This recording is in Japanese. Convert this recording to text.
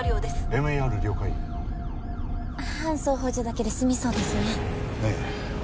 ＭＥＲ了解搬送補助だけで済みそうですねええ